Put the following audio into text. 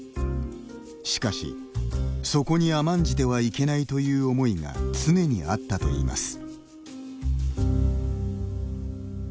しかし、そこに甘んじてはいけないという思いが常にあったといいます。